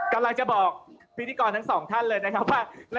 กำลังจะบอกพิธีกรทั้งสองท่านเลยนะครับว่า